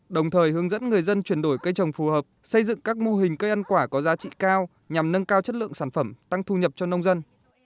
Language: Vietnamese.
đồng thời hướng dẫn người dân chuyển đổi cây trồng phù hợp xây dựng các mô hình cây ăn quả có giá trị cao nhằm nâng cao chất lượng sản phẩm tăng thu nhập cho nông dân